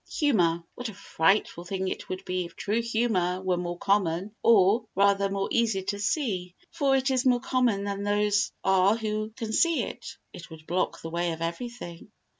Humour What a frightful thing it would be if true humour were more common or, rather, more easy to see, for it is more common than those are who can see it. It would block the way of everything.